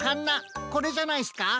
これじゃないすか？